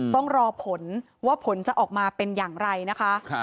ต้องรอผลว่าผลจะออกมาเป็นอย่างไรนะคะ